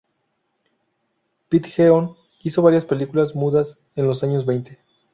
Pidgeon hizo varias películas mudas en los años veinte.